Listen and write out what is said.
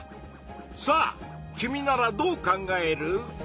さあ君ならどう考える？